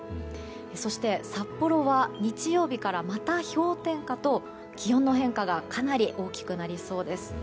そして、札幌は日曜日からまた氷点下と気温の変化がかなり大きくなりそうです。